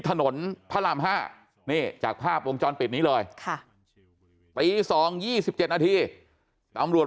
ถนนพระราม๕นี่จากภาพวงจรปิดนี้เลยตี๒๒๗นาทีตำรวจ